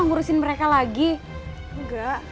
aku cuma pengen tahu aja